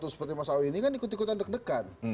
seperti mas awi ini kan ikut ikutan dek dekan